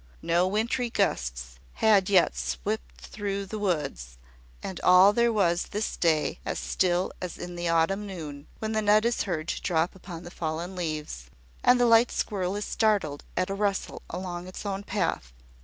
No wintry gusts had yet swept through the woods; and all there was this day as still as in the autumn noon, when the nut is heard to drop upon the fallen leaves, and the light squirrel is startled at the rustle along its own path.